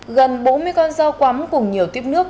gần bốn mươi con rau quắm cùng nhiều tuyếp nước